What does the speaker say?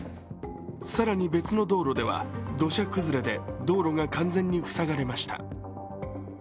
更に別の道路では土砂崩れで道路が完全に塞がれました。